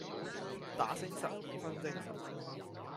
打醒十二分精神